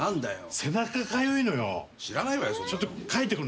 背中かゆいの？